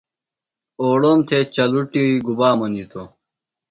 اوڑوم تھےۡچلٹُیۡ گُبا منیتوۡ؟